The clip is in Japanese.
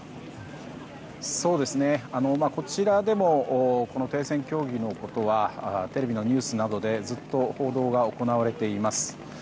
こちらでも停戦協議のことはテレビのニュースなどでずっと報道が行われています。